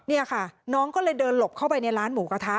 นี่ค่ะน้องก็เลยเดินหลบเข้าไปในร้านหมูกระทะ